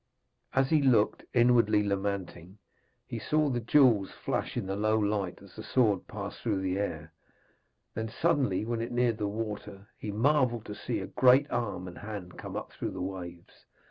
As he looked, inwardly lamenting, he saw the jewels flash in the low light as the sword passed through the air. Then suddenly, when it neared the water, he marvelled to see a great arm and hand come up through the waves.